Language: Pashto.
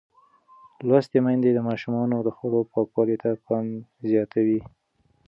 لوستې میندې د ماشومانو د خوړو پاکولو ته پام زیاتوي.